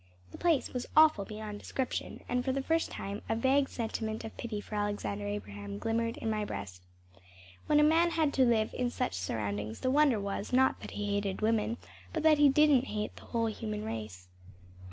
The place was awful beyond description, and for the first time a vague sentiment of pity for Alexander Abraham glimmered in my breast. When a man had to live in such surroundings the wonder was, not that he hated women, but that he didn’t hate the whole human race.